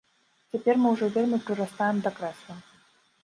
Цяпер мы ўжо вельмі прырастаем да крэсла.